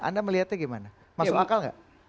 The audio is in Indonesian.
anda melihatnya bagaimana masuk akal gak